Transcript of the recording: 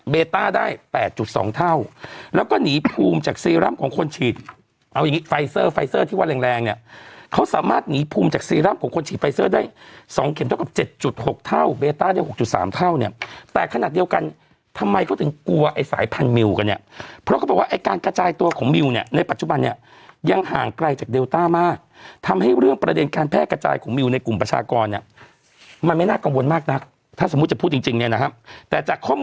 เบต้าได้๘๒เท่าแล้วก็หนีภูมิจากซีรัมของคนฉีดเอาไอ้ไฟเซอร์ไฟเซอร์ที่ว่าแรงเนี่ยเขาสามารถหนีภูมิจากซีรัมของคนฉีดไฟเซอร์ได้๒เข็มเท่ากับ๗๖เท่าเบต้าได้๖๓เท่าเนี่ยแต่ขนาดเดียวกันทำไมก็ถึงกลัวไอ้สายพันมิวกันเนี่ยเพราะว่าการกระจายตัวของมิวเนี่ยในปัจจุบันเ